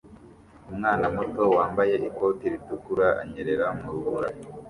Umwana muto wambaye ikoti ritukura anyerera mu rubura